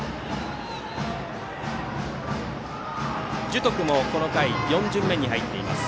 樹徳もこの回４巡目に入っています。